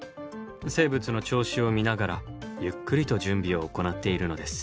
生物の調子を見ながらゆっくりと準備を行っているのです。